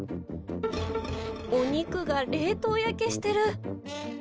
お肉が冷凍焼けしてる。